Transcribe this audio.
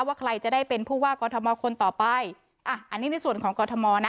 ว่าใครจะได้เป็นผู้ว่ากอทมคนต่อไปอ่ะอันนี้ในส่วนของกรทมนะ